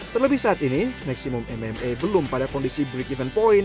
terlebih saat ini maksimum mma belum pada kondisi break even point